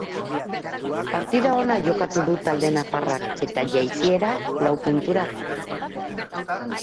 Partida ona jokatu du talde nafarrak, eta jaitsiera lau puntura du orain.